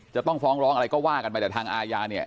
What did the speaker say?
จะต้องฟ้องร้องอะไรก็ว่ากันไปแต่ทางอาญาเนี่ย